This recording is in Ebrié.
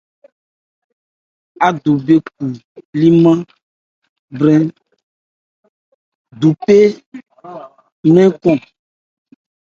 Ádubhɛ́ cɔn 'liman brɛn duphe hromɛn cɔn.